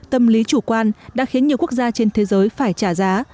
tâm lý chủ quan đã khiến nhiều quốc gia trên thế giới phải trả giá